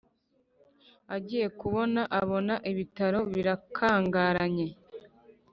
agiye kubona abona ibitaro birakangaranye